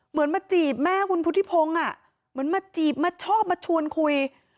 เหมือนมาจีบแม่คุณพุทธิพงศ์เหมือนมาจีบมาชอบมาชวนคุย